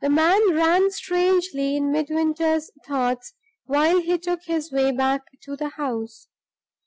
The man ran strangely in Midwinter's thoughts while he took his way back to the house.